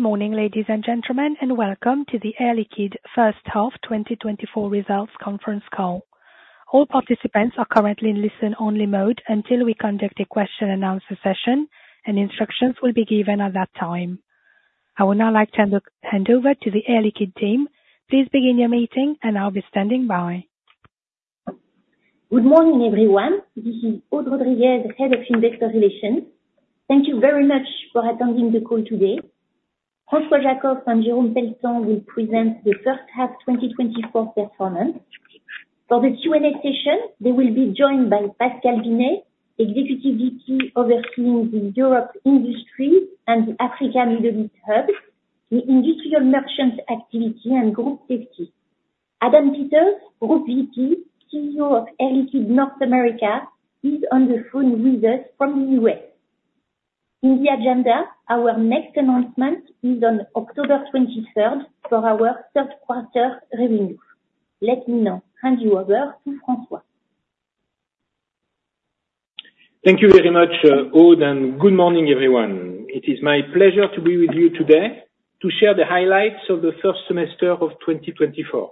Good morning, ladies and gentlemen, and welcome to the Air Liquide first half 2024 results conference call. All participants are currently in listen-only mode until we conduct a question and answer session, and instructions will be given at that time. I would now like to hand over to the Air Liquide team. Please begin your meeting, and I'll be standing by. Good morning, everyone. This is Aude Rodriguez, Head of Investor Relations. Thank you very much for attending the call today. François Jackow and Jérôme Pelletan will present the first half 2024 performance. For the Q&A session, they will be joined by Pascal Vinet, Executive VP overseeing the Europe Industry and the Africa, Middle East hub, the industrial merchants activity and group safety. Adam Peters, Group VP, CEO of Air Liquide North America, is on the phone with us from the U.S. In the agenda, our next announcement is on October 23, for our third quarter review. Let me now hand you over to François. Thank you very much, Aude, and good morning, everyone. It is my pleasure to be with you today to share the highlights of the first semester of 2024.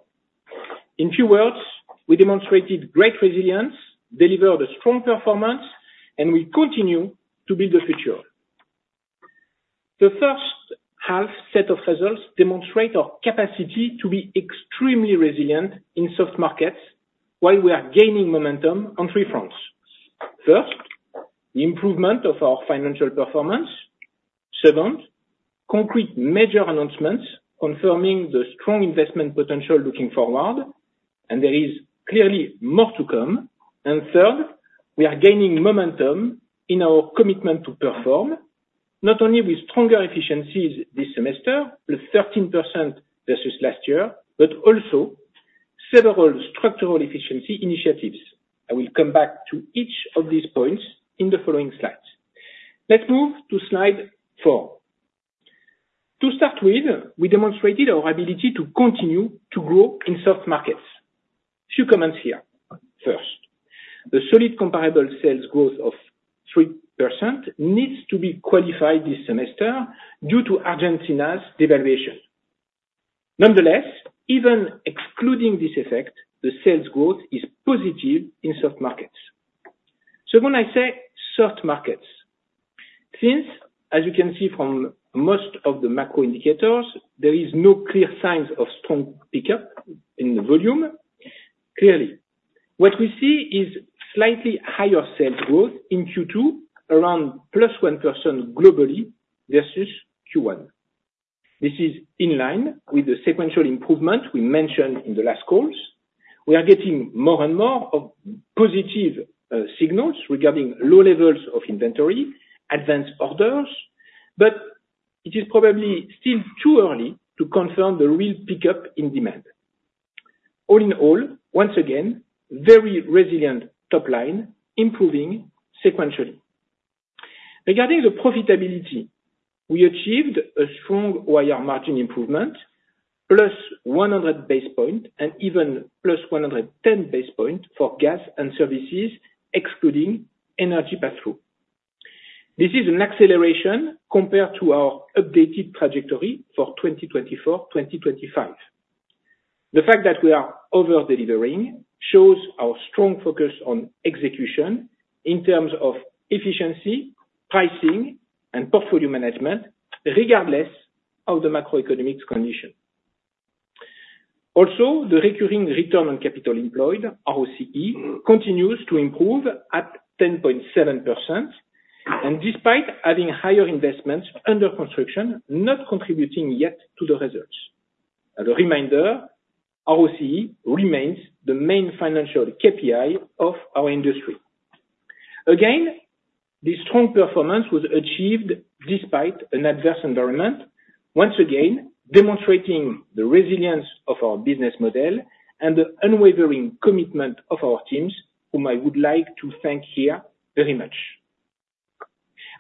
In few words, we demonstrated great resilience, delivered a strong performance, and we continue to build the future. The first half set of results demonstrate our capacity to be extremely resilient in soft markets, while we are gaining momentum on three fronts. First, the improvement of our financial performance. Second, concrete major announcements confirming the strong investment potential looking forward, and there is clearly more to come. Third, we are gaining momentum in our commitment to perform, not only with stronger efficiencies this semester, +13% versus last year, but also several structural efficiency initiatives. I will come back to each of these points in the following slides. Let's move to Slide 4. To start with, we demonstrated our ability to continue to grow in soft markets. Few comments here. First, the solid comparable sales growth of 3% needs to be qualified this semester due to Argentina's devaluation. Nonetheless, even excluding this effect, the sales growth is positive in soft markets. So when I say soft markets, since, as you can see from most of the macro indicators, there is no clear signs of strong pickup in the volume. Clearly, what we see is slightly higher sales growth in Q2, around +1% globally versus Q1. This is in line with the sequential improvement we mentioned in the last calls. We are getting more and more of positive signals regarding low levels of inventory, ADVANCE orders, but it is probably still too early to confirm the real pickup in demand. All in all, once again, very resilient top line, improving sequentially. Regarding the profitability, we achieved a strong year margin improvement, +100 basis points, and even +110 basis points for Gas & Services, excluding energy pass-through. This is an acceleration compared to our updated trajectory for 2024, 2025. The fact that we are over-delivering shows our strong focus on execution in terms of efficiency, pricing, and portfolio management, regardless of the macroeconomic condition. Also, the recurring return on capital employed, ROCE, continues to improve at 10.7%, and despite adding higher investments under construction, not contributing yet to the results. As a reminder, ROCE remains the main financial KPI of our industry. Again, this strong performance was achieved despite an adverse environment, once again demonstrating the resilience of our business model and the unwavering commitment of our teams, whom I would like to thank here very much.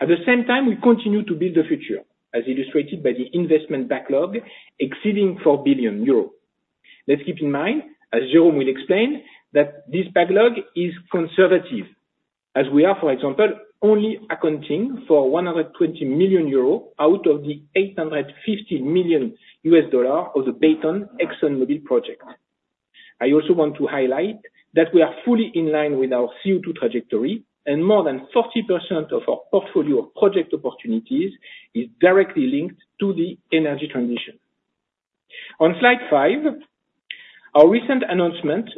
At the same time, we continue to build the future, as illustrated by the investment backlog exceeding 4 billion euros. Let's keep in mind, as Jérôme will explain, that this backlog is conservative, as we are, for example, only accounting for 120 million euros out of the $850 million of the Baytown ExxonMobil project. I also want to highlight that we are fully in line with our CO2 trajectory, and more than 40% of our portfolio of project opportunities is directly linked to the energy transition. On Slide 5, our recent announcement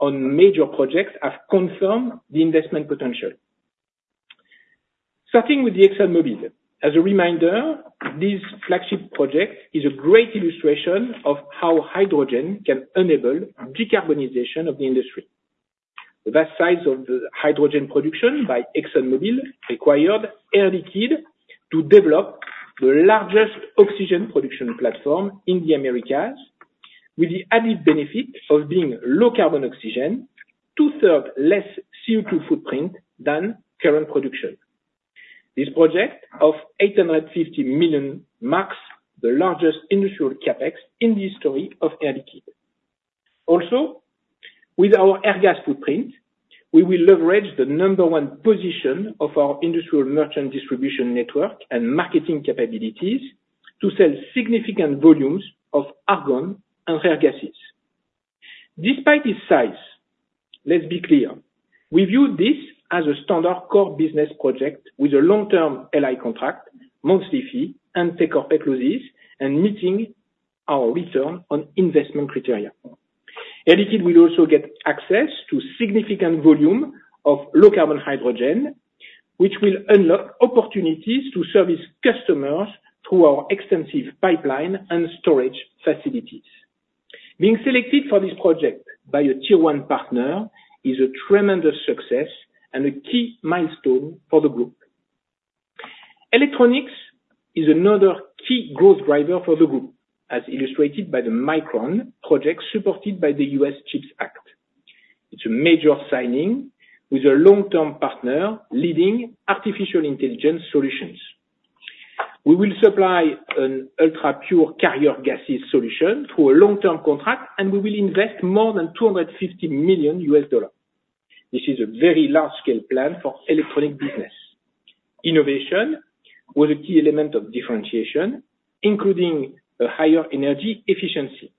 on major projects have confirmed the investment potential. Starting with the ExxonMobil. As a reminder, this flagship project is a great illustration of how hydrogen can enable decarbonization of the industry. The vast size of the hydrogen production by ExxonMobil required Air Liquide to develop the largest oxygen production platform in the Americas, with the added benefit of being low-carbon oxygen, two-thirds less CO2 footprint than current production. This project of 850 million marks the largest industrial CapEx in the history of Air Liquide. Also, with our air gas footprint, we will leverage the number one position of our industrial Merchant distribution network and marketing capabilities to sell significant volumes of argon and air gases. Despite its size, let's be clear, we view this as a standard core business project with a long-term LI contract, monthly fee, and take-or-pay clauses, and meeting our return on investment criteria. Air Liquide will also get access to significant volume of low carbon hydrogen, which will unlock opportunities to service customers through our extensive pipeline and storage facilities. Being selected for this project by a tier one partner is a tremendous success and a key milestone for the group. Electronics is another key growth driver for the group, as illustrated by the Micron project supported by the U.S. CHIPS Act. It's a major signing with a long-term partner leading artificial intelligence solutions. We will supply an ultra-pure carrier gases solution through a long-term contract, and we will invest more than $250 million. This is a very large-scale plan for Electronics business. Innovation was a key element of differentiation, including a higher energy efficiency.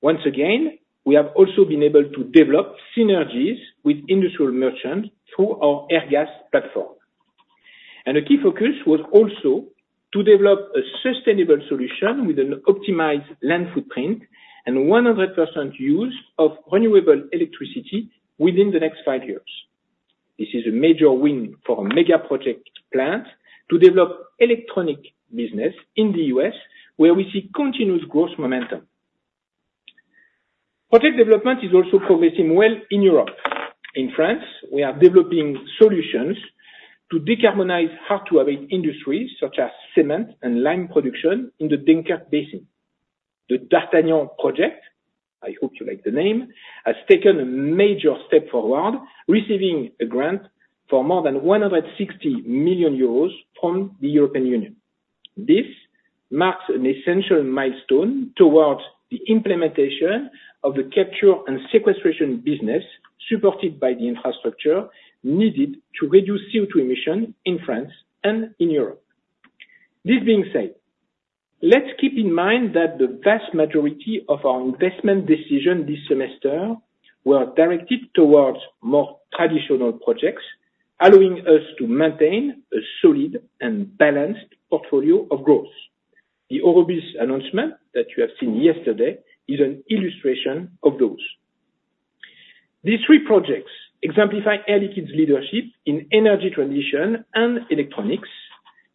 Once again, we have also been able to develop synergies with industrial Merchants through our Airgas platform. A key focus was also to develop a sustainable solution with an optimized land footprint and 100% use of renewable electricity within the next 5 years. This is a major win for a mega project plant to develop electronic business in the U.S., where we see continuous growth momentum. Project development is also progressing well in Europe. In France, we are developing solutions to decarbonize hard-to-abate industries, such as cement and lime production in the Dunkerque Basin. The D'Artagnan project, I hope you like the name, has taken a major step forward, receiving a grant for more than 160 million euros from the European Union. This marks an essential milestone towards the implementation of the capture and sequestration business, supported by the infrastructure needed to reduce CO2 emission in France and in Europe. This being said, let's keep in mind that the vast majority of our investment decision this semester were directed towards more traditional projects, allowing us to maintain a solid and balanced portfolio of growth. The Aurubis announcement that you have seen yesterday is an illustration of those. These three projects exemplify Air Liquide's leadership in energy transition and Electronics.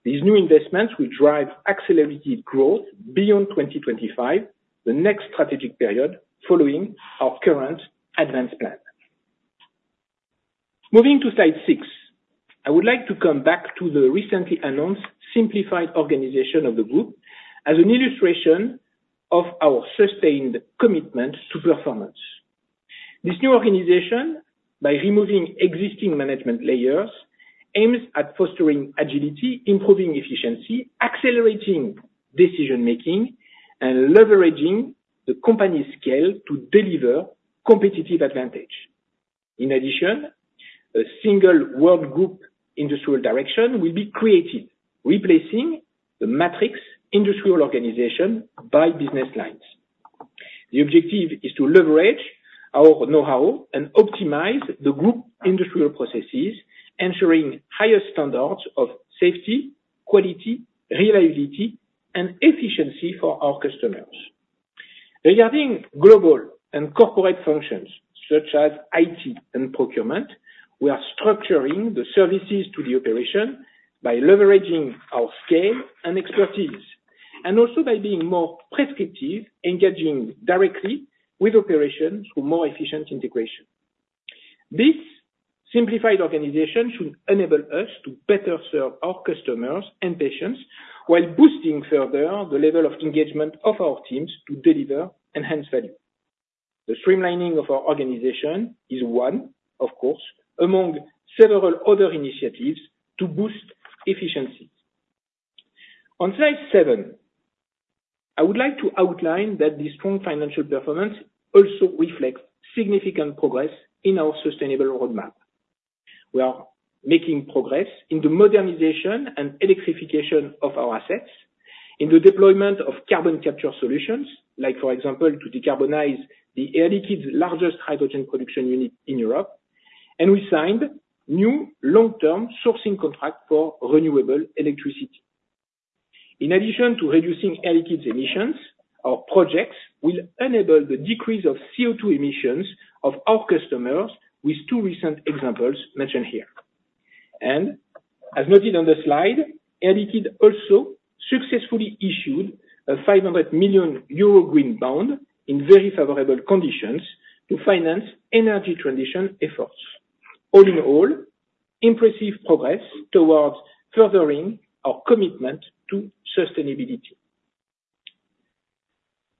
These new investments will drive accelerated growth beyond 2025, the next strategic period following our current ADVANCE plan. Moving to Slide 6, I would like to come back to the recently announced simplified organization of the group as an illustration of our sustained commitment to performance. This new organization, by removing existing management layers, aims at fostering agility, improving efficiency, accelerating decision-making, and leveraging the company's scale to deliver competitive advantage. In addition, a single world group industrial direction will be created, replacing the matrix industrial organization by business lines. The objective is to leverage our know-how and optimize the group industrial processes, ensuring higher standards of safety, quality, reliability, and efficiency for our customers. Regarding global and corporate functions, such as IT and procurement, we are structuring the services to the operation by leveraging our scale and expertise, and also by being more prescriptive, engaging directly with operations for more efficient integration. This simplified organization should enable us to better serve our customers and patients, while boosting further the level of engagement of our teams to deliver enhanced value. The streamlining of our organization is one, of course, among several other initiatives to boost efficiency. On Slide 7, I would like to outline that the strong financial performance also reflects significant progress in our sustainable roadmap. We are making progress in the modernization and electrification of our assets, in the deployment of carbon capture solutions, like, for example, to decarbonize the Air Liquide largest hydrogen production unit in Europe, and we signed new long-term sourcing contract for renewable electricity. In addition to reducing Air Liquide's emissions, our projects will enable the decrease of CO2 emissions of our customers, with two recent examples mentioned here. As noted on the slide, Air Liquide also successfully issued a 500 million euro green bond in very favorable conditions to finance energy transition efforts. All in all, impressive progress towards furthering our commitment to sustainability.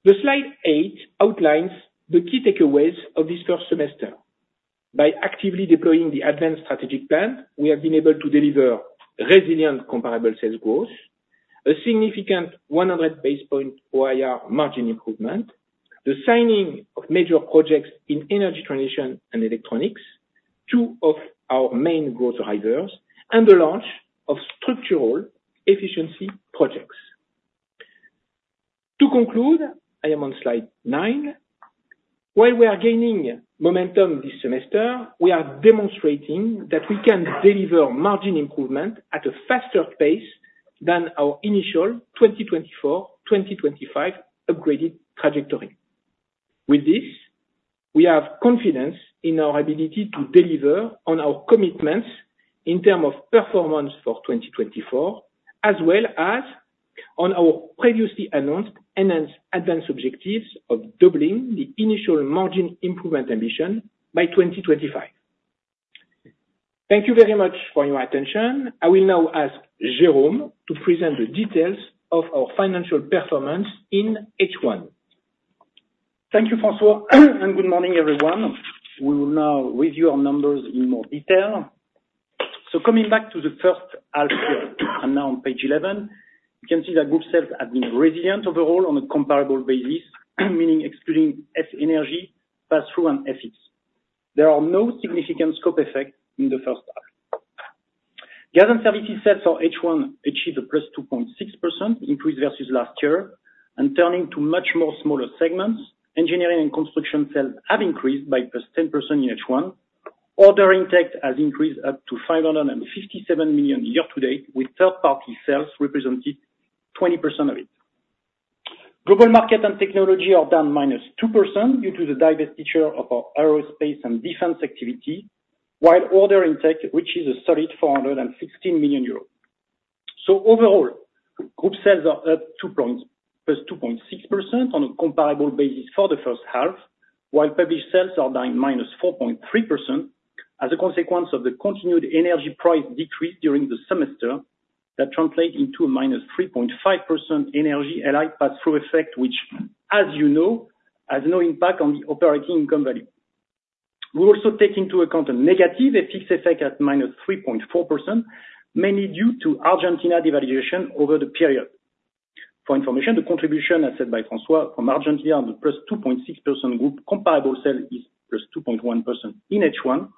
Slide 8 outlines the key takeaways of this first semester. By actively deploying the ADVANCE strategic plan, we have been able to deliver resilient comparable sales growth, a significant 100 basis points OIR margin improvement, the signing of major projects in energy transition and Electronics, two of our main growth drivers, and the launch of structural efficiency projects. To conclude, I am on Slide 9. While we are gaining momentum this semester, we are demonstrating that we can deliver margin improvement at a faster pace than our initial 2024/2025 upgraded trajectory. With this, we have confidence in our ability to deliver on our commitments in terms of performance for 2024, as well as on our previously announced enhanced ADVANCE objectives of doubling the initial margin improvement ambition by 2025. Thank you very much for your attention. I will now ask Jérôme to present the details of our financial performance in H1. Thank you, François, and good morning, everyone. We will now review our numbers in more detail. Coming back to the first half. Now on page eleven, you can see that group sales have been resilient overall on a comparable basis, meaning excluding scope, energy pass-through, and FX. There are no significant scope effects in the first half. Gas and services sales for H1 achieved a +2.6% increase versus last year. Turning to much smaller segments, Engineering & Construction sales have increased by +10% in H1. Order intake has increased to 557 million year to date, with third-party sales representing 20% of it. Global Markets & Technologies are down -2% due to the divestiture of our aerospace and defense activity, while order intake, which is a solid 416 million euros. So overall, group sales are up +2.6% on a comparable basis for the first half, while published sales are down -4.3% as a consequence of the continued energy price decrease during the semester. That translate into a -3.5% energy pass-through effect, which, as you know, has no impact on the operating income value. We also take into account a negative FX effect at -3.4%, mainly due to Argentina devaluation over the period. For information, the contribution, as said by François, from Argentina on the +2.6% group comparable sales is +2.1% in H1.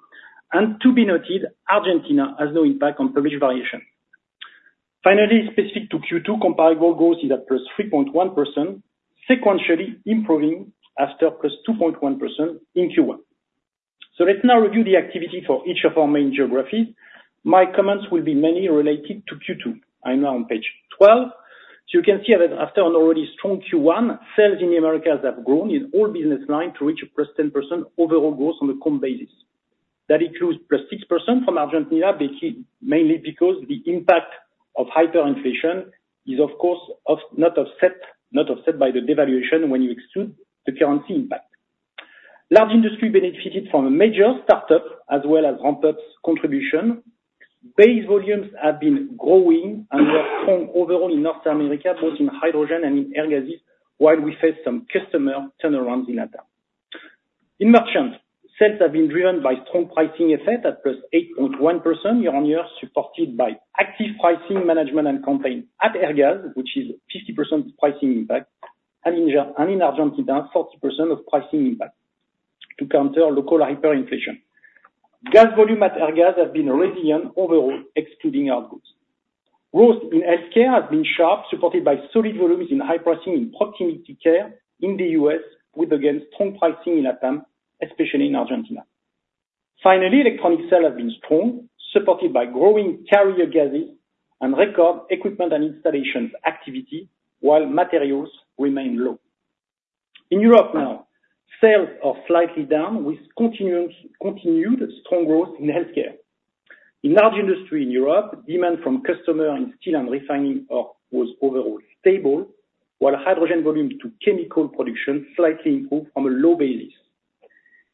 To be noted, Argentina has no impact on published sales. Finally, specific to Q2, comparable growth is at +3.1%, sequentially improving after +2.1% in Q1. Let's now review the activity for each of our main geographies. My comments will be mainly related to Q2. I'm now on page 12. So you can see that after an already strong Q1, sales in the Americas have grown in all business lines to reach a +10% overall growth on a comp basis. That includes +6% from Argentina, basically, mainly because the impact of hyperinflation is, of course, not offset by the devaluation when you exclude the currency impact. Large Industries benefited from a major startup as well as ramp-ups contribution. Base volumes have been growing and were strong overall in North America, both in hydrogen and in air gases, while we face some customer turnarounds in LATAM. In Merchant, sales have been driven by strong pricing effect at +8.1% year-on-year, supported by active pricing management and campaign at Airgas, which is 50% pricing impact, and in Argentina, 40% of pricing impact to counter local hyperinflation. Gas volume at Airgas has been resilient overall, excluding outputs. Growth in healthcare has been sharp, supported by solid volumes in high pricing in proximity care in the U.S., with, again, strong pricing in LATAM, especially in Argentina. Finally, Electronics sales have been strong, supported by growing carrier gases and record equipment and installations activity, while materials remain low. In Europe now, sales are slightly down, with continued strong growth in healthcare. In Large Industry in Europe, demand from customer in steel and refining was overall stable, while hydrogen volume to chemical production slightly improved on a low basis.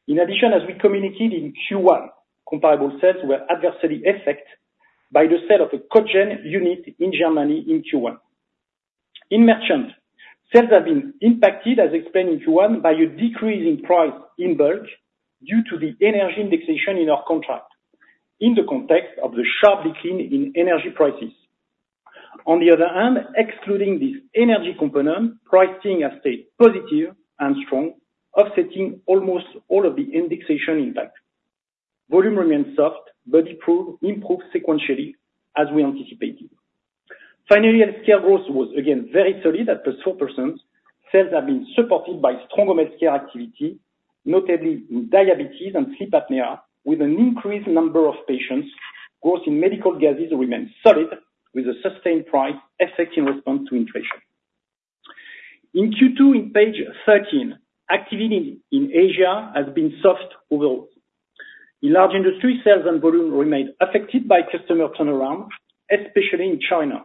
In addition, as we communicated in Q1, comparable sales were adversely affected by the sale of a cogen unit in Germany in Q1. In Merchant, sales have been impacted, as explained in Q1, by a decrease in price in bulk due to the energy indexation in our contract, in the context of the sharp decline in energy prices. On the other hand, excluding this energy component, pricing has stayed positive and strong, offsetting almost all of the indexation impact. Volume remains soft, but improved sequentially, as we anticipated. Finally, Healthcare growth was again very solid at +4%. Sales have been supported by strong Healthcare activity, notably in diabetes and sleep apnea, with an increased number of patients. Growth in medical gases remains solid, with a sustained price effect in response to inflation. In Q2, on page 13, activity in Asia has been soft overall. In Large Industries, sales and volume remained affected by customer turnaround, especially in China.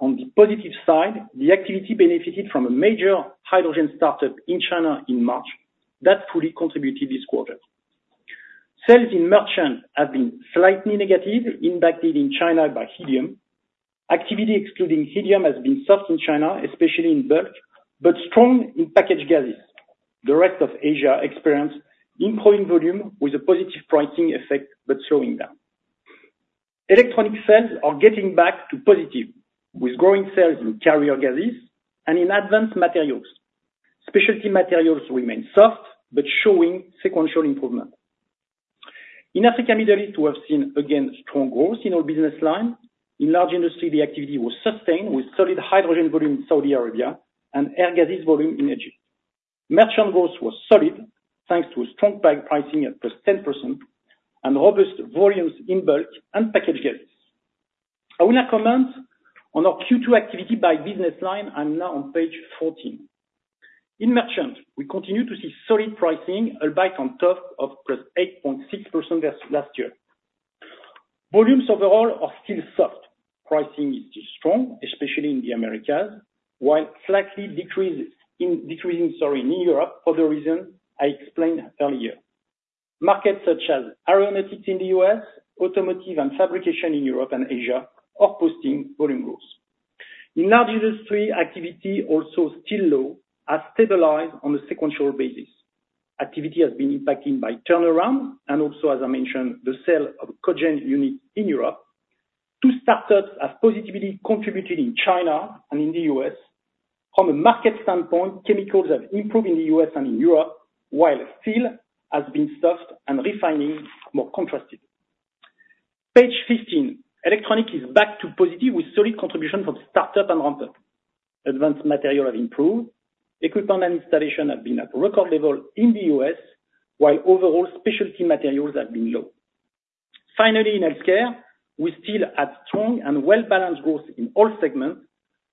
On the positive side, the activity benefited from a major hydrogen startup in China in March. That fully contributed this quarter. Sales in Industrial Merchant have been slightly negative, impacted in China by helium.... Activity excluding helium has been soft in China, especially in Bulk, but strong in Packaged Gases. The rest of Asia experienced improving volume with a positive pricing effect, but slowing down. Electronics sales are getting back to positive, with growing sales in Carrier Gases and in Advanced Materials. Specialty Materials remain soft, but showing sequential improvement. In Africa, Middle East, we have seen again, strong growth in our business line. In Large Industries, the activity was sustained with solid hydrogen volume in Saudi Arabia and air gases volume in Egypt. Merchant growth was solid, thanks to a strong price, pricing at +10% and robust volumes in bulk and packaged gases. I will now comment on our Q2 activity by business line and now on page 14. In Merchant, we continue to see solid pricing, albeit on top of +8.6% versus last year. Volumes overall are still soft. Pricing is still strong, especially in the Americas, while slightly decreasing in Europe for the reason I explained earlier. Markets such as aeronautics in the U.S., automotive, and fabrication in Europe and Asia are posting volume growth. In Large Industry, activity also still low, has stabilized on a sequential basis. Activity has been impacted by turnaround, and also, as I mentioned, the sale of a cogen unit in Europe. 2 startups have positively contributed in China and in the U.S. From a market standpoint, chemicals have improved in the U.S. and in Europe, while steel has been soft and refining more contrasted. Page 15. Electronics is back to positive, with solid contribution from startup and ramp-up. Advanced materials have improved. Equipment and installation have been at record level in the U.S., while overall specialty materials have been low. Finally, in Healthcare, we still have strong and well-balanced growth in all segments,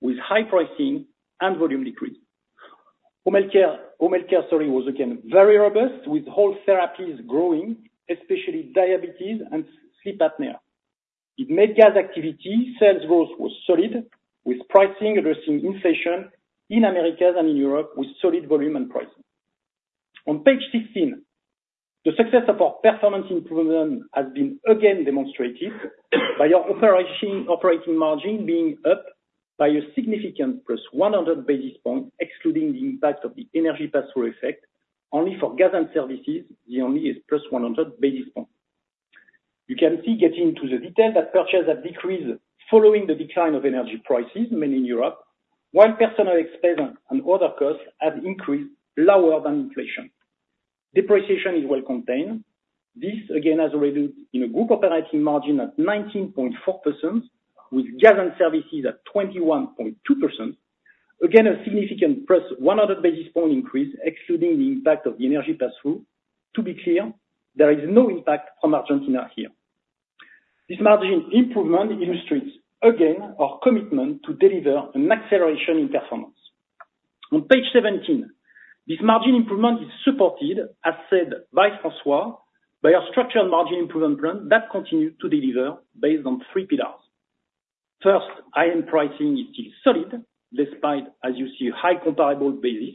with high pricing and volume decrease. Home care, home care, sorry, was again, very robust, with home therapies growing, especially diabetes and sleep apnea. In med gas activity, sales growth was solid, with pricing addressing inflation in Americas and in Europe with solid volume and pricing. On page 16, the success of our performance improvement has been again demonstrated, by our operating margin being up by a significant +100 basis points, excluding the impact of the energy pass-through effect. OIR for Gas & Services, the OIR is +100 basis points. You can see, getting to the detail, that purchases have decreased following the decline of energy prices, mainly in Europe, while personnel expense and other costs have increased lower than inflation. Depreciation is well contained. This again has resulted in a group operating margin at 19.4%, with Gas & Services at 21.2%. Again, a significant +100 basis point increase, excluding the impact of the energy pass-through. To be clear, there is no impact from Argentina here. This margin improvement illustrates again, our commitment to deliver an acceleration in performance. On page 17, this margin improvement is supported, as said by François, by our structural margin improvement plan that continues to deliver based on 3 pillars. First, iron pricing is still solid, despite, as you see, high comparable basis.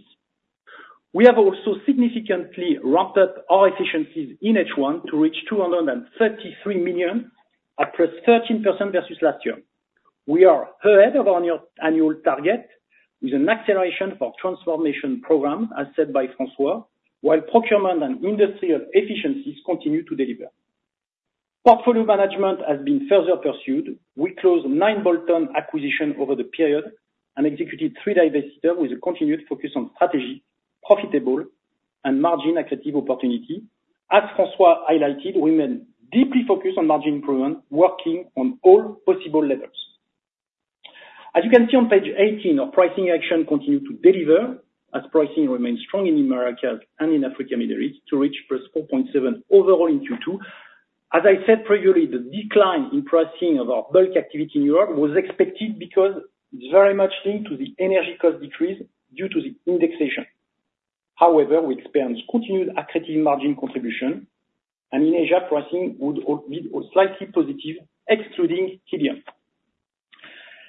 We have also significantly ramped up our efficiencies in H1 to reach 233 million, at +13% versus last year. We are ahead of our annual target, with an acceleration for transformation program, as said by François, while procurement and industrial efficiencies continue to deliver. Portfolio management has been further pursued. We closed 9 bolt-on acquisitions over the period and executed 3 divestitures, with a continued focus on strategy, profitable, and margin accretive opportunity. As François highlighted, we remain deeply focused on margin improvement, working on all possible levels. As you can see on page 18, our pricing action continued to deliver, as pricing remains strong in Americas and in Africa, Middle East, to reach +4.7% overall in Q2. As I said previously, the decline in pricing of our bulk activity in Europe was expected because it's very much linked to the energy cost decrease due to the indexation. However, we experienced continued accretive margin contribution, and in Asia, pricing would be slightly positive, excluding helium.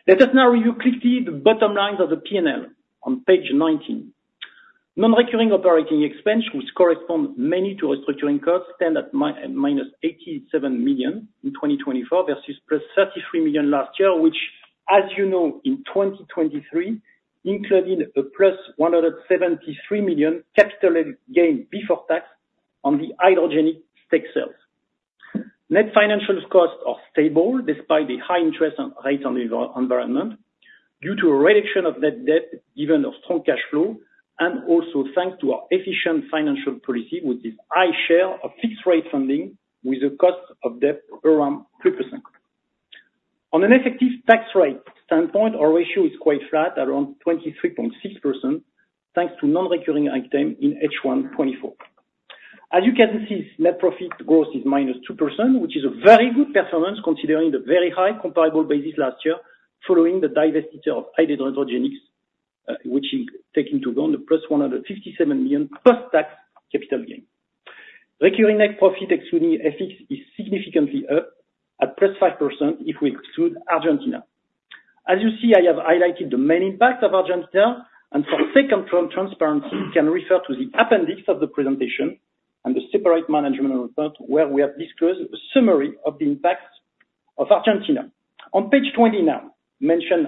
Let us now review quickly the bottom lines of the P&L on page 19. Non-recurring operating expense, which correspond mainly to restructuring costs, stand at -87 million in 2024, versus +33 million last year, which, as you know, in 2023, including a +173 million capital gain before tax on the Hydrogenics stake sales. Net financial costs are stable, despite the high interest rate environment, due to a reduction of net debt, given our strong cash flow, and also thanks to our efficient financial policy, with this high share of fixed rate funding, with a cost of debt around 3%. On an effective tax rate standpoint, our ratio is quite flat, around 23.6%, thanks to non-recurring item in H1 2024. As you can see, net profit growth is -2%, which is a very good performance, considering the very high comparable basis last year, following the divestiture of Hydrogenics, which take into account the +157 million post-tax capital gain. Recurring net profit, excluding FX, is significantly up, at +5% if we exclude Argentina. As you see, I have highlighted the main impact of Argentina, and for second term transparency, can refer to the appendix of the presentation, and the separate management report, where we have disclosed a summary of the impacts of Argentina. On page 20 now,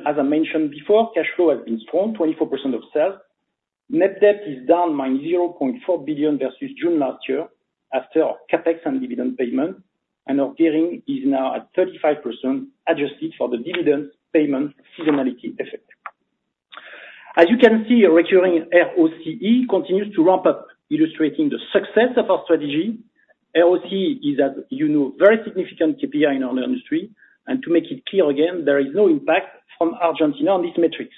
as I mentioned before, cash flow has been strong, 24% of sales. Net debt is down minus 0.4 billion versus June last year, after our CapEx and dividend payment, and our gearing is now at 35% adjusted for the dividend payment seasonality effect. As you can see, recurring ROCE continues to ramp up, illustrating the success of our strategy. ROCE is, as you know, very significant KPI in our industry, and to make it clear again, there is no impact from Argentina on these metrics.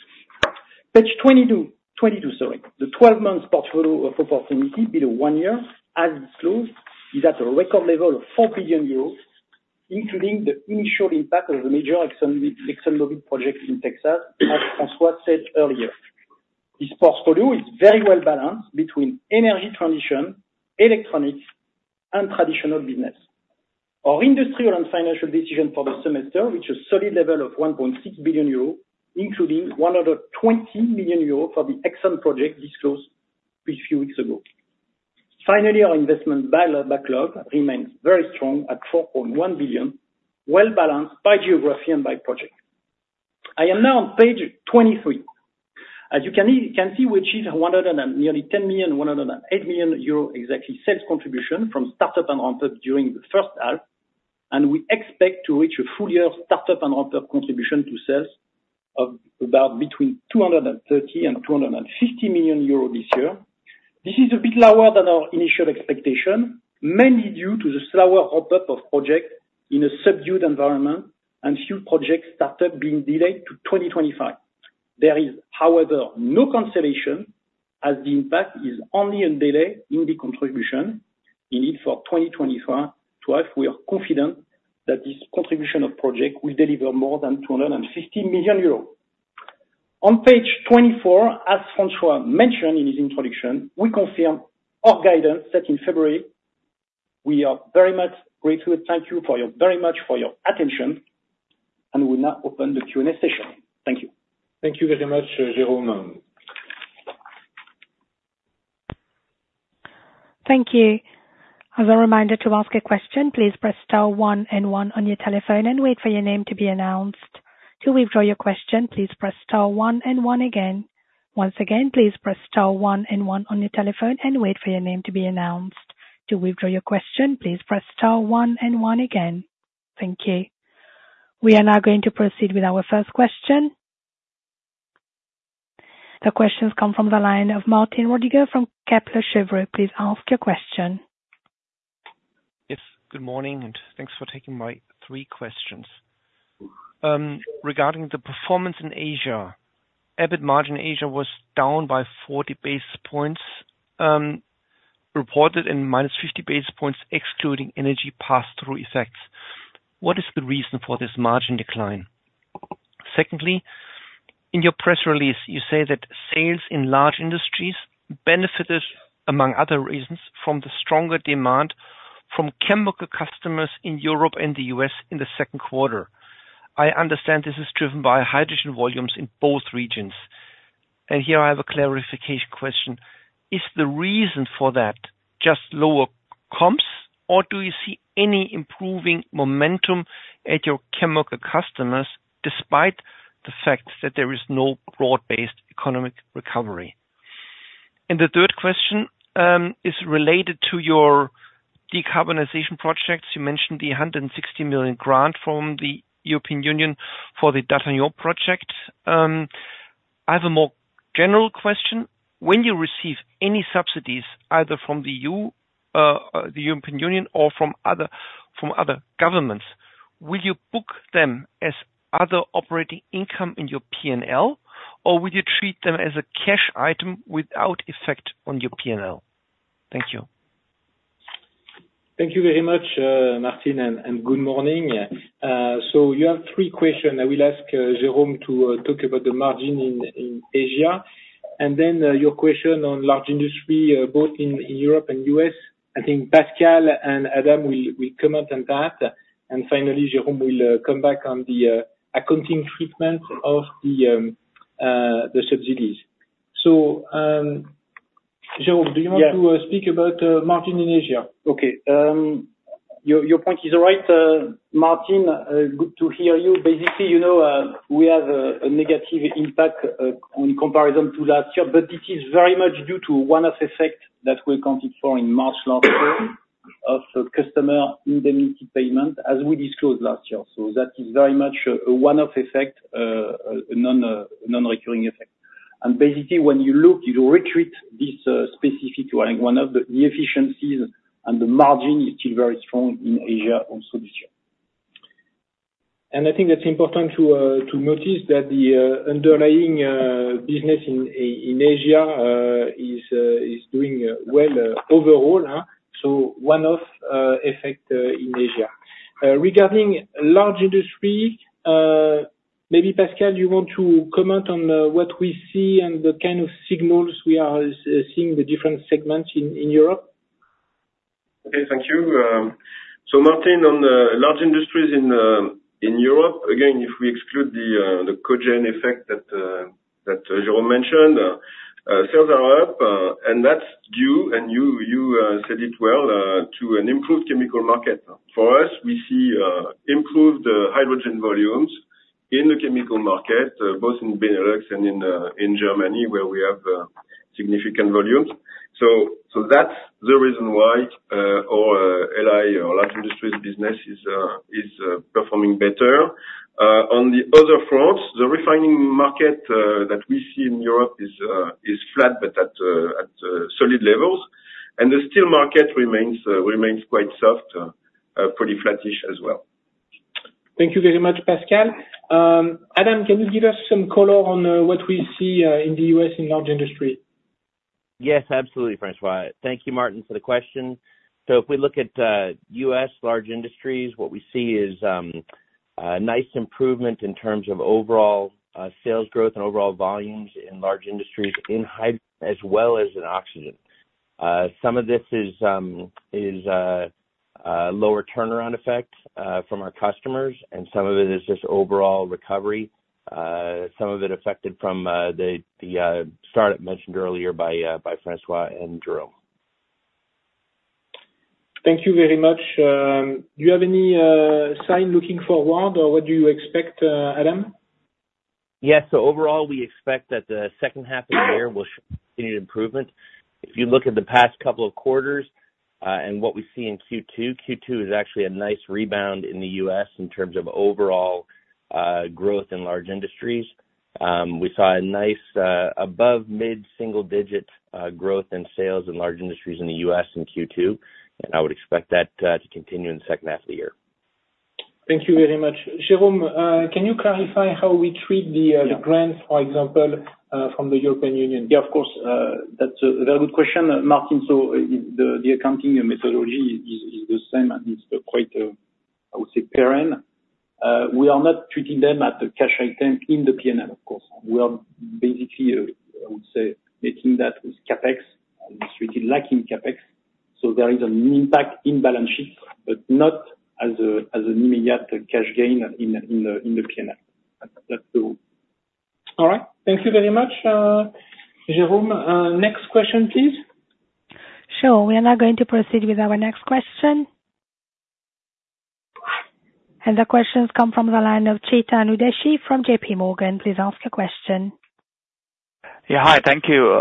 Page 22, 22, sorry. The 12-month portfolio of opportunity below 1 year, as disclosed, is at a record level of 4 billion euros, including the initial impact of the major ExxonMobil project in Texas, as François said earlier. This portfolio is very well balanced between energy transition, Electronics, and traditional business. Our industrial and financial investment decision for the semester, which is solid level of 1.6 billion euros, including 120 million euros for the ExxonMobil project disclosed a few weeks ago. Finally, our investment backlog remains very strong at 4.1 billion, well balanced by geography and by project. I am now on page 23. As you can see, we achieved 108 million euro exactly sales contribution from start-up and ramp-up during the first half, and we expect to reach a full year start-up and ramp-up contribution to sales of about between 230 million and 250 million euros this year. This is a bit lower than our initial expectation, mainly due to the slower ramp-up of projects in a subdued environment and few projects started being delayed to 2025. There is, however, no cancellation, as the impact is only in delay in the contribution. Indeed, for 2025, we are confident that this contribution of project will deliver more than 250 million euros. On page 24, as François mentioned in his introduction, we confirm our guidance set in February. We are very much grateful. Thank you very much for your attention, and we'll now open the Q&A session. Thank you. Thank you very much, Jérôme. Thank you. As a reminder, to ask a question, please press star one and one on your telephone and wait for your name to be announced. To withdraw your question, please press star one and one again. Once again, please press star one and one on your telephone and wait for your name to be announced. To withdraw your question, please press star one and one again. Thank you. We are now going to proceed with our first question. The questions come from the line of Martin Roediger from Kepler Cheuvreux. Please ask your question. Yes, good morning, and thanks for taking my three questions. Regarding the performance in Asia, EBIT margin in Asia was down by 40 basis points, reported and minus 50 basis points excluding energy passthrough effects. What is the reason for this margin decline? Secondly, in your press release, you say that sales in large industries benefited, among other reasons, from the stronger demand from chemical customers in Europe and the U.S. in the second quarter. I understand this is driven by hydrogen volumes in both regions, and here I have a clarification question. Is the reason for that just lower comps, or do you see any improving momentum at your chemical customers, despite the fact that there is no broad-based economic recovery? And the third question is related to your decarbonization projects. You mentioned the 160 million grant from the European Union for the D'Artagnan project. I have a more general question. When you receive any subsidies, either from the European Union or from other governments, will you book them as other operating income in your P&L, or will you treat them as a cash item without effect on your P&L? Thank you. Thank you very much, Martin, and good morning. So you have three question. I will ask Jérôme to talk about the margin in Asia, and then your question on Large Industry both in Europe and US, I think Pascal and Adam will comment on that. And finally, Jérôme will come back on the accounting treatment of the subsidies. So, Jérôme- Yeah. Do you want to speak about margin in Asia? Okay, your point is right, Martin. Good to hear you. Basically, you know, we have a negative impact on comparison to last year, but this is very much due to one-off effect that we accounted for in March last year, of customer indemnity payment, as we disclosed last year. So that is very much a one-off effect, a non-recurring effect. And basically, when you look, you retreat this specific one-off the efficiencies, and the margin is still very strong in Asia also this year. And I think it's important to notice that the underlying business in Asia is doing well overall. So one-off effect in Asia. Regarding Large Industries, maybe Pascal, you want to comment on what we see and the kind of signals we are seeing, the different segments in Europe? Okay, thank you...... So Martin, on the large industries in Europe, again, if we exclude the Cogen effect that Jérôme mentioned, sales are up, and that's due, and you, you said it well, to an improved chemical market. For us, we see improved hydrogen volumes in the chemical market, both in Benelux and in Germany, where we have significant volumes. So that's the reason why our LI, our large industries business is performing better. On the other fronts, the refining market that we see in Europe is flat, but at solid levels, and the steel market remains quite soft, pretty flattish as well. Thank you very much, Pascal. Adam, can you give us some color on what we see in the U.S. in Large Industry? Yes, absolutely, François. Thank you, Martin, for the question. So if we look at U.S. large industries, what we see is a nice improvement in terms of overall sales growth and overall volumes in large industries, in hydrogen as well as in oxygen. Some of this is lower turnaround effect from our customers, and some of it is just overall recovery, some of it affected from the startup mentioned earlier by François and Jérôme. Thank you very much. Do you have any signs looking forward, or what do you expect, Adam? Yes. So overall, we expect that the second half of the year will continue improvement. If you look at the past couple of quarters, and what we see in Q2, Q2 is actually a nice rebound in the U.S. in terms of overall, growth in Large Industries. We saw a nice, above mid-single digit, growth in sales in Large Industries in the U.S. in Q2, and I would expect that, to continue in the second half of the year. Thank you very much. Jérôme, can you clarify how we treat the grants, for example, from the European Union? Yeah, of course. That's a very good question, Martin. So, the accounting and methodology is the same, and it's quite, I would say, prudent. We are not treating them as the cash item in the P&L, of course. We are basically, I would say, making that with CapEx, treating like CapEx, so there is an impact in balance sheet, but not as an immediate cash gain in the P&L. That's all. All right. Thank you very much, Jérôme. Next question, please. Sure. We are now going to proceed with our next question. The question comes from the line of Chetan Udeshi from J.P. Morgan. Please ask your question. Yeah. Hi, thank you.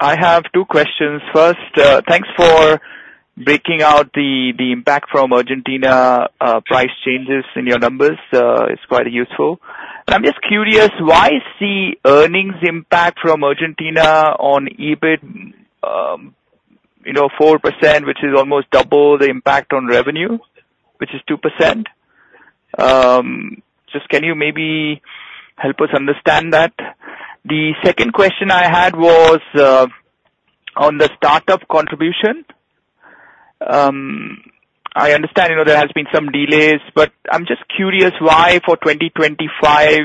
I have two questions. First, thanks for breaking out the impact from Argentina, price changes in your numbers. It's quite useful. I'm just curious, why is the earnings impact from Argentina on EBIT 4%, which is almost double the impact on revenue, which is 2%? Just can you maybe help us understand that? The second question I had was, on the startup contribution. I understand, you know, there has been some delays, but I'm just curious why for 2025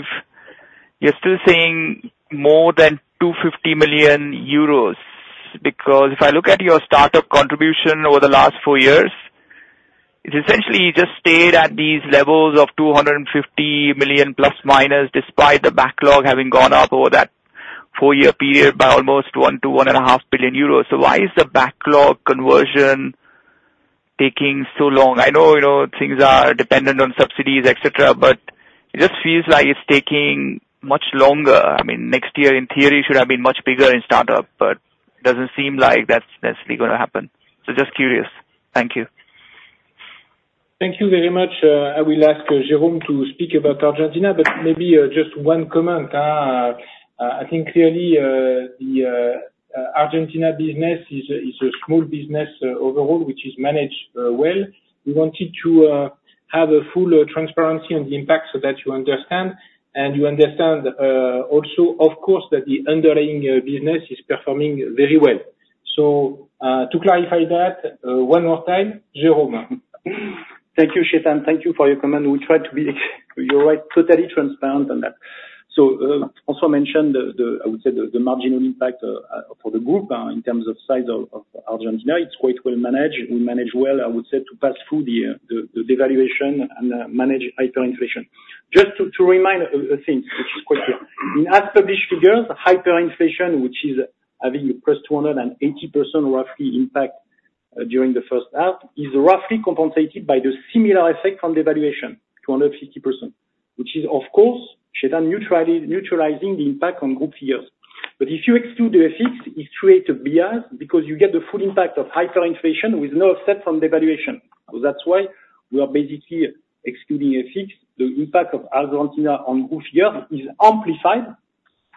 you're still seeing more than 250 million euros? Because if I look at your startup contribution over the last four years, it essentially just stayed at these levels of 250 million ±, despite the backlog having gone up over that four-year period by almost 1 billion-1.5 billion euros. So why is the backlog conversion taking so long? I know, you know, things are dependent on subsidies, et cetera, but it just feels like it's taking much longer. I mean, next year, in theory, should have been much bigger in startup, but it doesn't seem like that's necessarily gonna happen. So just curious. Thank you. Thank you very much. I will ask Jérôme to speak about Argentina, but maybe just one comment. I think clearly the Argentina business is a small business overall, which is managed well. We wanted to have a full transparency on the impact so that you understand, and you understand also, of course, that the underlying business is performing very well. So, to clarify that one more time, Jérôme. Thank you, Chetan. Thank you for your comment. We try to be, you're right, totally transparent on that. So, also mention the, I would say, the marginal impact for the group in terms of size of Argentina, it's quite well managed. We manage well, I would say, to pass through the devaluation and manage hyperinflation. Just to remind a thing, which is quite clear. In as published figures, hyperinflation, which is having +280% roughly impact during the first half, is roughly compensated by the similar effect on devaluation, 250%, which is, of course, Chetan, neutralizing the impact on group years. But if you exclude the effects, it create a bias, because you get the full impact of hyperinflation with no offset from devaluation. So that's why we are basically excluding effects. The impact of Argentina on group year is amplified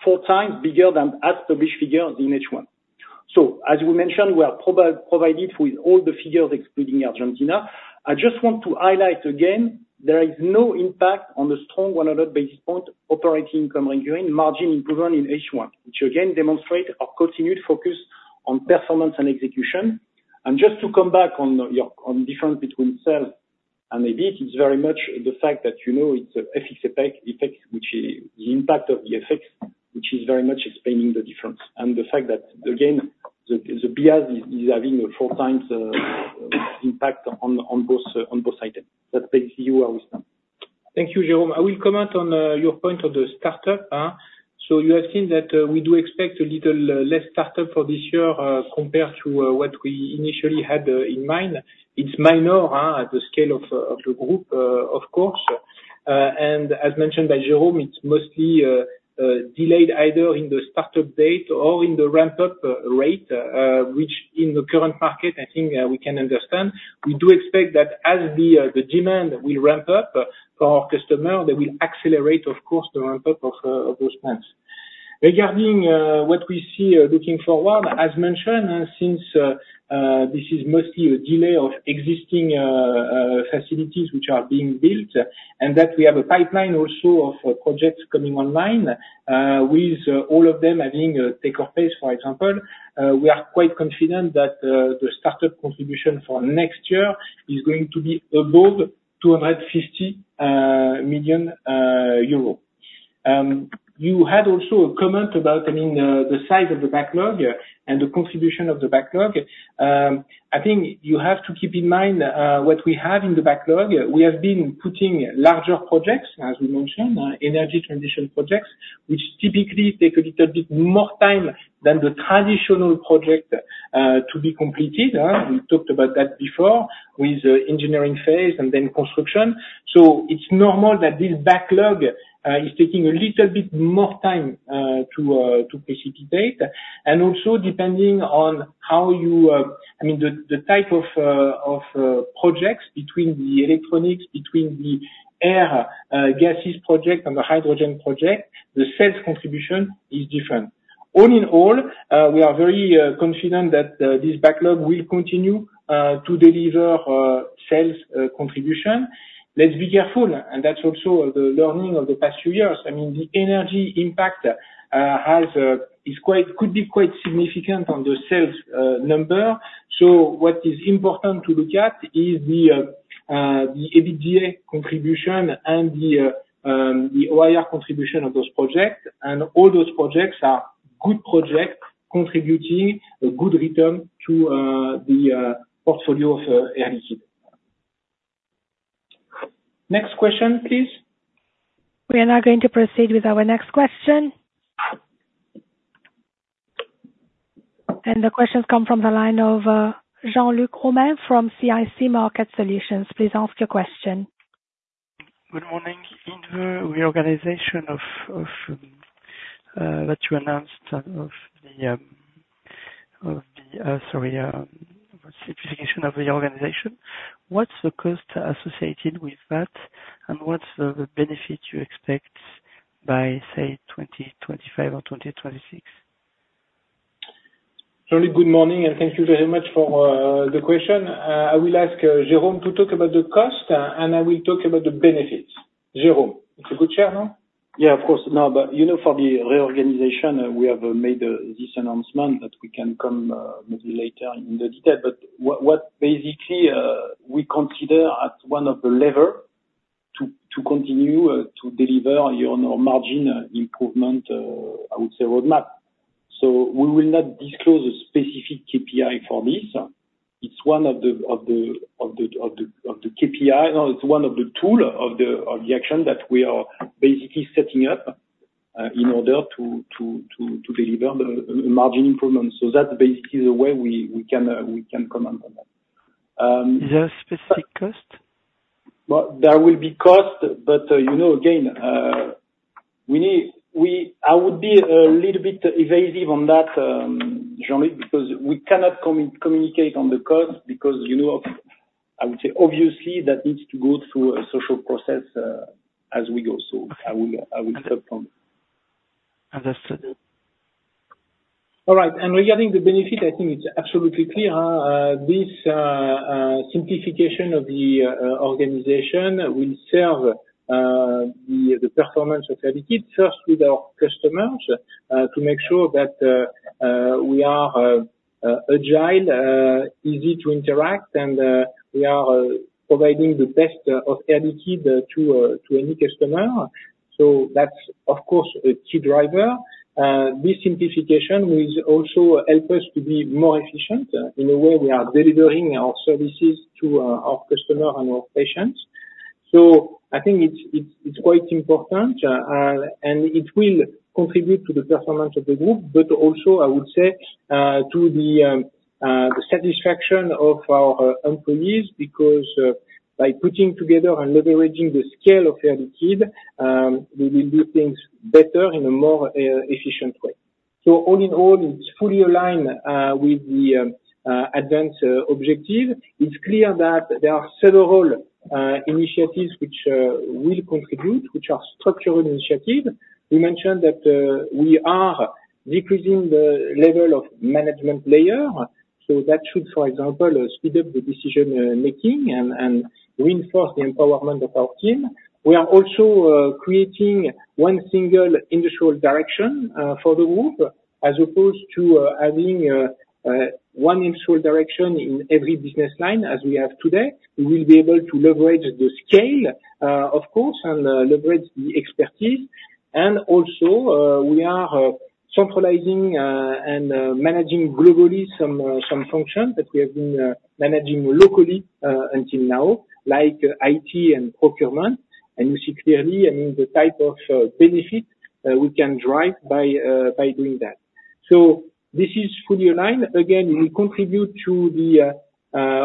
four times bigger than as published figure in H1. So, as we mentioned, we are provided with all the figures excluding Argentina. I just want to highlight again, there is no impact on the strong 100 basis point operating margin improvement in H1, which again demonstrate our continued focus on performance and execution. And just to come back on the, on difference between sales and maybe it is very much the fact that, you know, it's a FX effect which is, the impact of the FX, which is very much explaining the difference. And the fact that, again, the BIAS is having a four times impact on both items. That's basically where we stand. Thank you, Jérôme. I will comment on your point on the startup, so you have seen that we do expect a little less startup for this year, compared to what we initially had in mind. It's minor at the scale of the group, of course. And as mentioned by Jérôme, it's mostly delayed either in the startup date or in the ramp-up rate, which in the current market I think we can understand. We do expect that as the demand will ramp up for our customer, they will accelerate of course, the ramp up of those plans. Regarding what we see looking forward, as mentioned, since this is mostly a delay of existing facilities which are being built, and that we have a pipeline also of projects coming online, with all of them having a take-or-pay base, for example, we are quite confident that the startup contribution for next year is going to be above 250 million euro. You had also a comment about, I mean, the size of the backlog, and the contribution of the backlog. I think you have to keep in mind what we have in the backlog. We have been putting larger projects, as we mentioned, energy transition projects, which typically take a little bit more time than the traditional project to be completed. We talked about that before, with the engineering phase and then construction. So it's normal that this backlog is taking a little bit more time to precipitate. And also depending on how you, I mean, the type of projects between the Electronics, between the Airgas project and the hydrogen project, the sales contribution is different. All in all, we are very confident that this backlog will continue to deliver sales contribution. Let's be careful, and that's also the learning of the past few years. I mean, the energy impact is quite could be quite significant on the sales number. So what is important to look at is the EBITDA contribution and the OIR contribution of those projects. All those projects are good projects, contributing a good return to the portfolio of Air Liquide. Next question, please? We are now going to proceed with our next question. The question come from the line of, Jean-Luc Romain from CIC Market Solutions. Please ask your question. Good morning. In the reorganization that you announced, of the simplification of the organization, what's the cost associated with that, and what's the benefit you expect by, say, 2025 or 2026? Jean-Luc, good morning, and thank you very much for the question. I will ask Jérôme to talk about the cost, and I will talk about the benefits. Jérôme, it's a good start, no? Yeah, of course. No, but you know, for the reorganization, we have made this announcement that we can come maybe later in the detail. But what basically we consider as one of the level to continue to deliver on our margin improvement, I would say, roadmap. So we will not disclose a specific KPI for this. It's one of the KPI. No, it's one of the tool of the action that we are basically setting up in order to deliver the margin improvement. So that basically is the way we can comment on that. Is there a specific cost? Well, there will be costs, but you know, again, I would be a little bit evasive on that, Jean-Luc, because we cannot communicate on the cost, because, you know, I would say obviously that needs to go through a social process, as we go. So I will circle. Understood. All right. Regarding the benefit, I think it's absolutely clear, this simplification of the organization will serve the performance of Air Liquide. First with our customers, to make sure that we are agile, easy to interact, and we are providing the best of Air Liquide to any customer. So that's of course a key driver. This simplification will also help us to be more efficient in the way we are delivering our services to our customer and our patients. So I think it's quite important, and it will contribute to the performance of the group. But also I would say, to the satisfaction of our employees, because by putting together and leveraging the scale of Air Liquide, we will do things better in a more efficient way. So all in all, it's fully aligned with the ADVANCE objective. It's clear that there are several initiatives which will contribute, which are structural initiatives. We mentioned that we are decreasing the level of management layer, so that should, for example, speed up the decision making and reinforce the empowerment of our team. We are also creating one single industrial direction for the group, as opposed to having one industrial direction in every business line as we have today. We will be able to leverage the scale, of course, and leverage the expertise, and also are centralizing and managing globally some some functions that we have been managing locally until now, like IT and procurement. And you see clearly, I mean, the type of benefit we can drive by by doing that. So this is fully aligned. Again, we contribute to the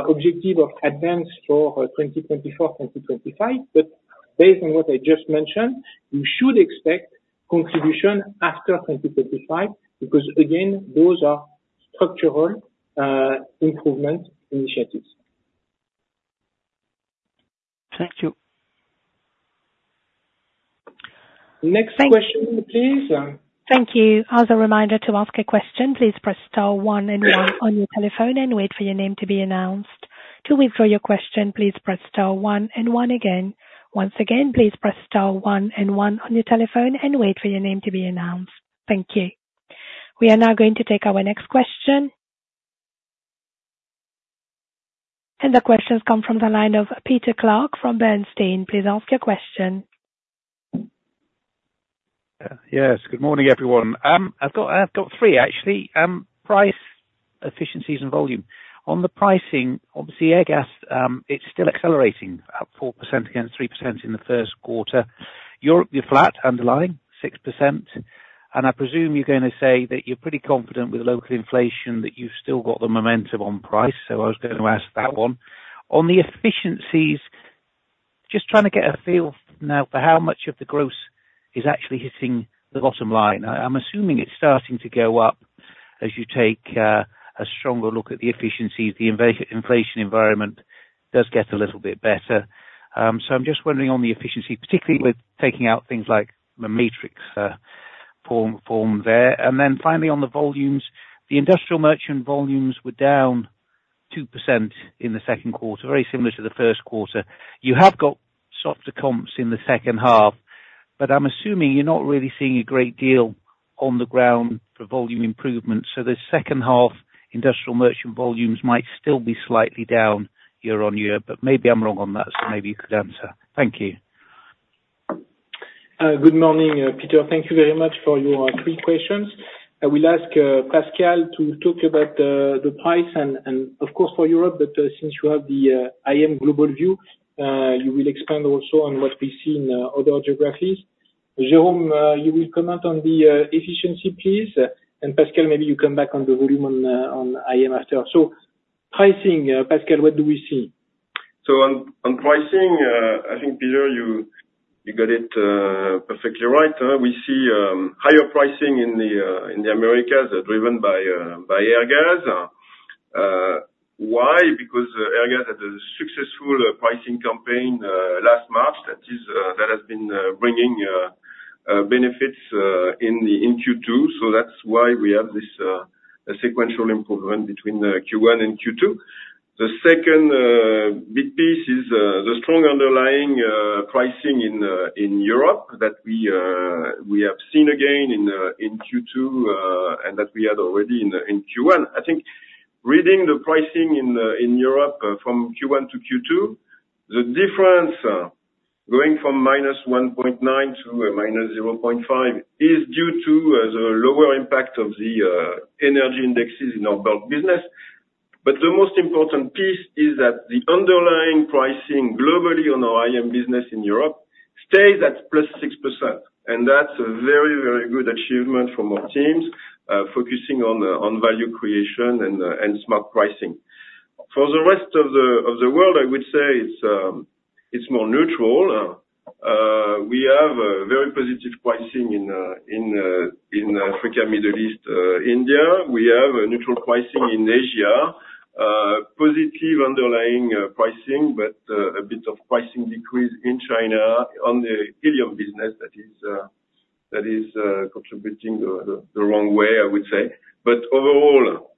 objective of advance for 2024, 2025. But based on what I just mentioned, you should expect contribution after 2025, because again, those are structural improvement initiatives. Thank you. Next question, please? Thank you. As a reminder, to ask a question, please press star one and one on your telephone and wait for your name to be announced. To withdraw your question, please press star one and one again. Once again, please press star one and one on your telephone and wait for your name to be announced. Thank you. We are now going to take our next question. And the question's come from the line of Peter Clark from Bernstein. Please ask your question. Yes, good morning, everyone. I've got three actually. Price, efficiencies, and volume. On the pricing, obviously, Airgas, it's still accelerating, up 4% against 3% in the first quarter. Europe, you're flat underlying 6%, and I presume you're gonna say that you're pretty confident with local inflation, that you've still got the momentum on price, so I was gonna ask that one. On the efficiencies, just trying to get a feel now for how much of the gross is actually hitting the bottom line. I'm assuming it's starting to go up as you take a stronger look at the efficiencies, the inflation environment does get a little bit better. So I'm just wondering on the efficiency, particularly with taking out things like the matrix form there. And then finally, on the volumes, the industrial Merchant volumes were down 2% in the second quarter, very similar to the first quarter. You have got softer comps in the second half, but I'm assuming you're not really seeing a great deal on the ground for volume improvement, so the second half industrial Merchant volumes might still be slightly down year-on-year, but maybe I'm wrong on that, so maybe you could answer. Thank you. Good morning, Peter. Thank you very much for your three questions. I will ask Pascal to talk about the price and, of course for Europe, but since you have the IM global view, you will expand also on what we see in other geographies. Jérôme, you will comment on the efficiency, please? And Pascal, maybe you come back on the volume on IM after. So pricing, Pascal, what do we see? So on pricing, I think, Peter, you got it perfectly right. We see higher pricing in the Americas, driven by Airgas. Why? Because Airgas had a successful pricing campaign last March, that has been bringing benefits in Q2, so that's why we have this a sequential improvement between Q1 and Q2. The second big piece is the strong underlying pricing in Europe, that we have seen again in Q2, and that we had already in Q1. I think reading the pricing in Europe from Q1-Q2, the difference going from -1.9 to -0.5, is due to a lower impact of the energy indexes in our bulk business. But the most important piece is that the underlying pricing globally on our IM business in Europe stays at +6%, and that's a very, very good achievement from our teams focusing on value creation and smart pricing. For the rest of the world, I would say it's more neutral. We have a very positive pricing in Africa, Middle East, India. We have a neutral pricing in Asia. Positive underlying pricing, but a bit of pricing decrease in China on the helium business that is contributing the wrong way, I would say. But overall,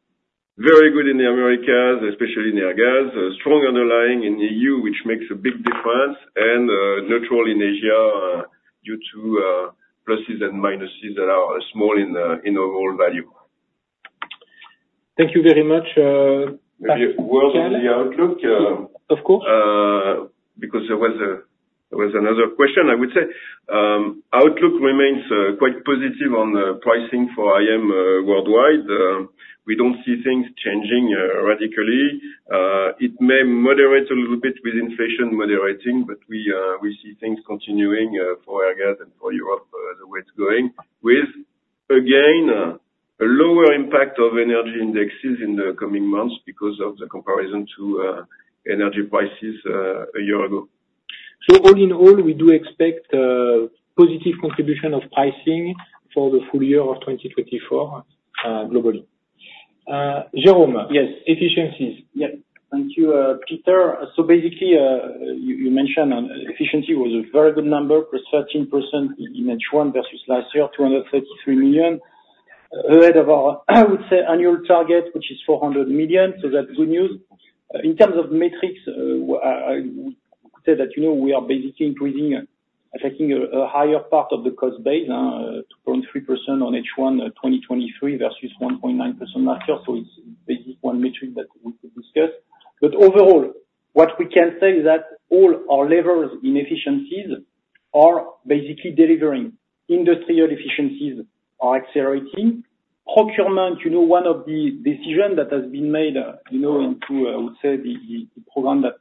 very good in the Americas, especially in Airgas. Strong underlying in EU, which makes a big difference, and neutral in Asia due to pluses and minuses that are small in overall value. Thank you very much, Pascal- Word on the outlook, Of course. Because there was a, there was another question. I would say, outlook remains quite positive on the pricing for IM worldwide. We don't see things changing radically. It may moderate a little bit with inflation moderating, but we see things continuing for Airgas and for Europe the way it's going, with again a lower impact of energy indexes in the coming months because of the comparison to energy prices a year ago. All in all, we do expect positive contribution of pricing for the full year of 2024 globally. Jérôme, yes, efficiencies. Yeah. Thank you, Peter. So basically, you mentioned on efficiency was a very good number, +13% in H1 versus last year, 233 million. Ahead of our, I would say annual target, which is 400 million, so that's good news. In terms of metrics, I would say that, you know, we are basically increasing, affecting a higher part of the cost base, 2.3% on H1 2023 versus 1.9% last year, so it's basic one metric that we could discuss. But overall, what we can say is that all our levers in efficiencies are basically delivering. Industrial efficiencies are accelerating. Procurement, you know, one of the decision that has been made, you know, into, I would say, the program that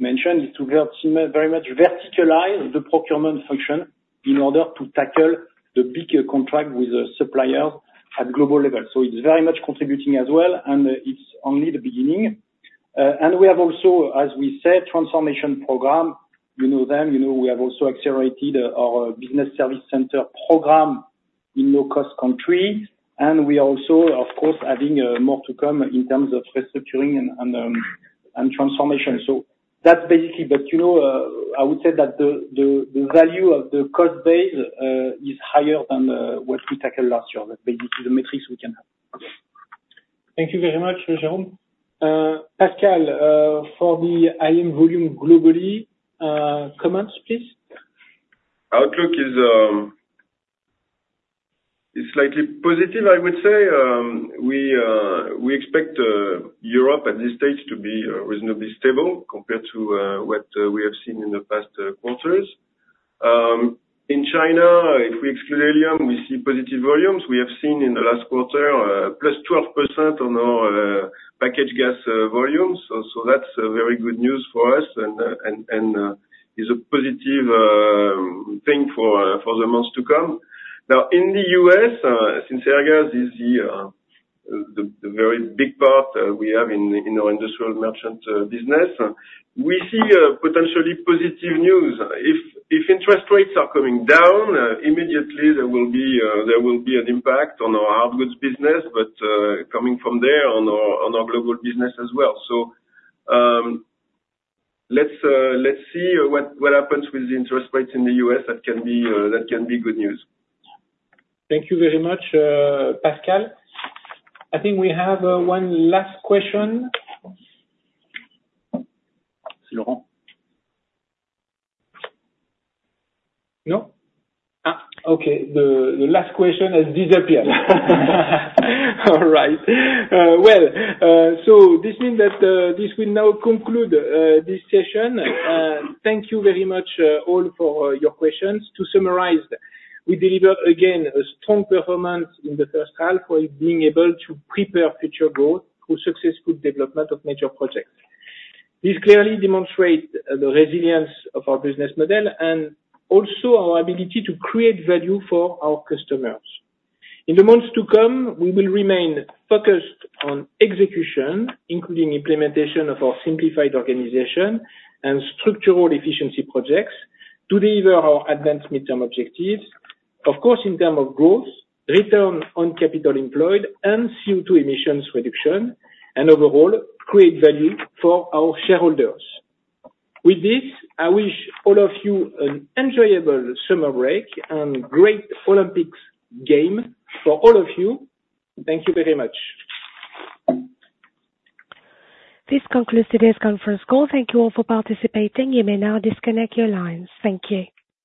François mentioned, is to help very much verticalize the procurement function in order to tackle the bigger contract with the suppliers at global level. So it's very much contributing as well, and, it's only the beginning. And we have also, as we said, transformation program. You know them, you know we have also accelerated our business service center program in low-cost country, and we are also, of course, adding, more to come in terms of restructuring and, and transformation. So that's basically—but, you know, I would say that the value of the cost base, is higher than, what we tackled last year. That's basically the metrics we can have. Thank you very much, Jérôme. Pascal, for the IM volume globally, comments please? Outlook is slightly positive, I would say. We expect Europe at this stage to be reasonably stable compared to what we have seen in the past quarters. In China, if we exclude helium, we see positive volumes. We have seen in the last quarter +12% on our package gas volumes, so that's very good news for us, and is a positive thing for the months to come. Now, in the U.S., since Airgas is the very big part we have in our industrial Merchant business, we see potentially positive news. If interest rates are coming down, immediately there will be an impact on our hardgoods business, but coming from there, on our global business as well. So, let's see what happens with the interest rates in the U.S., that can be good news. Thank you very much, Pascal. I think we have one last question. No? Ah, okay, the last question has disappeared. All right. Well, so this means that this will now conclude this session. Thank you very much, all, for your questions. To summarize, we delivered again a strong performance in the first half, while being able to prepare future growth through successful development of major projects. This clearly demonstrate the resilience of our business model, and also our ability to create value for our customers. In the months to come, we will remain focused on execution, including implementation of our simplified organization and structural efficiency projects, to deliver our ADVANCE midterm objectives. Of course, in terms of growth, return on capital employed, and CO2 emissions reduction, and overall, create value for our shareholders. With this, I wish all of you an enjoyable summer break and great Olympic Games for all of you. Thank you very much. This concludes today's conference call. Thank you all for participating. You may now disconnect your lines. Thank you.